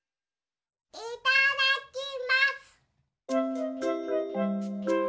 いただきます！